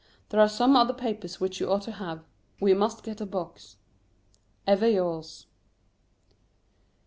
There are some other papers which you ought to have. We must get a box. Ever yours.